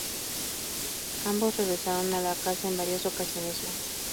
Ambos regresaron a la casa en varias ocasiones más.